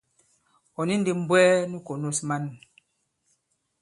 Ɔ̀ ni ndī m̀bwɛɛ nu kònos man.